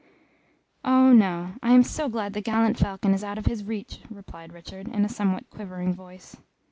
"Oh, no, I am so glad the gallant falcon is out of his reach!" replied Richard, in a somewhat quivering voice.